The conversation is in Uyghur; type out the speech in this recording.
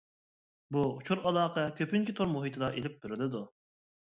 بۇ ئۇچۇر ئالاقە كۆپىنچە تور مۇھىتىدا ئېلىپ بېرىلىدۇ.